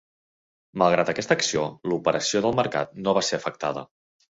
Malgrat aquesta acció, l'operació del mercat no va ser afectada.